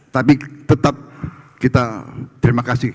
tapi tetap kita terima kasih